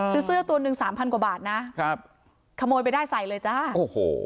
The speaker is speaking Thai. คือเสื้อตัวหนึ่งสามพันกว่าบาทนะครับขโมยไปได้ใส่เลยจ้าโอ้โห